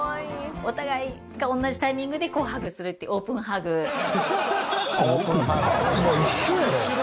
お互いが同じタイミングでハグするっていう一緒やってオープンハグ。